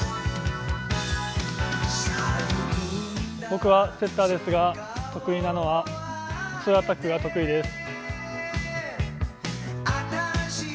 僕はセッターですが、得意なのはツーアタックが得意です。